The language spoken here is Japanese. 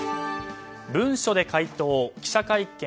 文書で回答記者会見